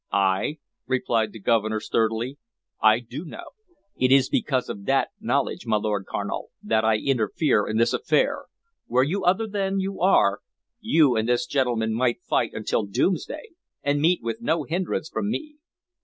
"Ay," replied the Governor sturdily, "I do know. It is because of that knowledge, my Lord Carnal, that I interfere in this affair. Were you other than you are, you and this gentleman might fight until doomsday, and meet with no hindrance from me.